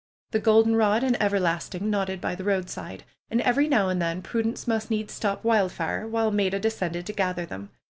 The goldenrod and everlasting nodded by the roadside. And every now and then Pruence must needs stop Wildfire while Maida descended to gather them.